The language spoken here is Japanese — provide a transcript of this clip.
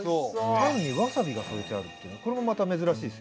タンにわさびが添えてあるってこれもまた珍しいですよね。